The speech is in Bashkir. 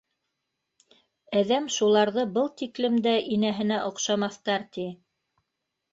Әҙәм шуларҙы был тиклем дә инәһенә оҡшамаҫтар, ти.